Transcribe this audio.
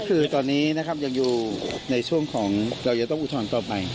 ก็คือตอนนี้นะครับยังอยู่ในช่วงของเราจะต้องอุทธรณ์ต่อไป